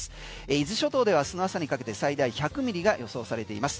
伊豆諸島ではあすの朝にかけて最大１００ミリが予想されています。